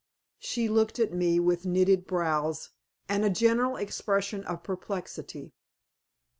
She looked at me with knitted brows, and a general expression of perplexity.